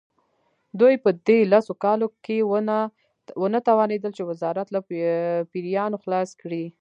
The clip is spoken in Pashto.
دوی په دې لسو کالو کې ونه توانېدل چې وزارت له پیریانو خلاص کړي.